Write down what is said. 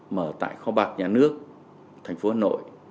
mở tại kho bạc nhà nước thành phố hà nội